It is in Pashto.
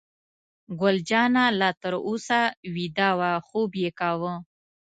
ګل جانه لا تر اوسه ویده وه، خوب یې کاوه.